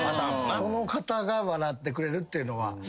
その方が笑ってくれるっていうのは。